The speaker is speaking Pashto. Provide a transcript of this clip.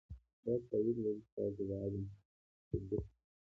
د تایید لړۍ ستاسو د عزم ثبوت دی.